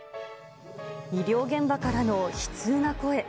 医療現場からの悲痛な声。